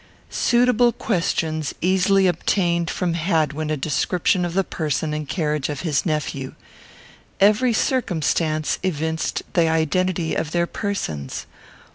Suitable questions easily obtained from Hadwin a description of the person and carriage of his nephew. Every circumstance evinced the identity of their persons.